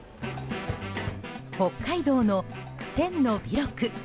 北海道の、天のびろく。